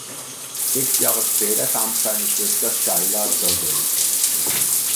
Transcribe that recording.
Sechs Jahre später kam seine Schwester Sheila zur Welt.